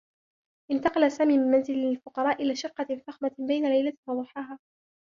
انتقل سامي من منزل للفقراء إلى شقّة فخمة بين ليلة و ضحاها.